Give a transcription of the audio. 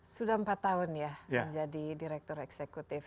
sudah empat tahun ya menjadi direktur eksekutif